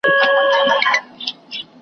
زموږ فطرت یې دی جوړ کړی له پسونو له لېوانو .